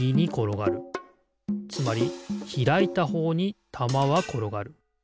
つまりひらいたほうにたまはころがる。